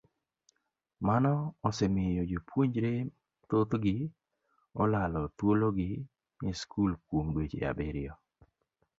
Mano osemiyo jopuonjre thothgi olalo thuologi e skul kuom dweche abiriyo.